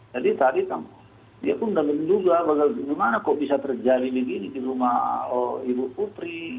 jadi tadi dia pun menunggu bagaimana kok bisa terjadi begini di rumah ibu putri